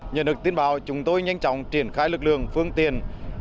nhận được tin báo chúng tôi nhanh chóng triển khai lực lượng phương tiện